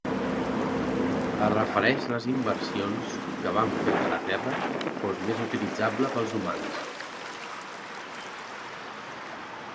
Es refereix a les inversions que van fer que la terra fos més utilitzable pels humans.